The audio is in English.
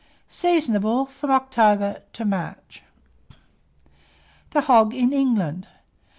Seasonable from October to March. THE HOG IN ENGLAND.